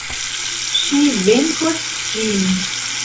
Ŝi venkos ĝin!